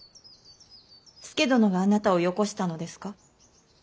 佐殿があなたをよこしたのですか。